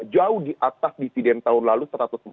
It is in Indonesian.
jauh di atas dividen tahun lalu satu ratus empat puluh